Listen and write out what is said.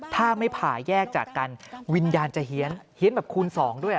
ถ้าไม่ผ่าแยกจากกันวิญญาณจะเฮียนเฮียนแบบคูณสองด้วย